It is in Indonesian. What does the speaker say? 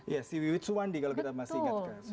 di which one kalau kita masih ingatkan